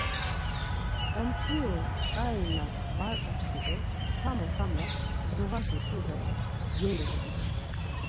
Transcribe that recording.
Omçviru ǩai na var uçkit̆u, tamo tamo zuğaşi tude geilu doren.